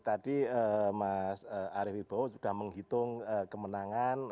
tadi mas arief wibowo sudah menghitung kemenangan